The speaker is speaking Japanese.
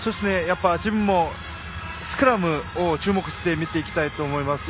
チームもスクラムに注目して見ていきたいと思います。